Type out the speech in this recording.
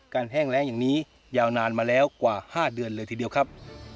แห้งแรงอย่างนี้ยาวนานมาแล้วกว่า๕เดือนเลยทีเดียวครับ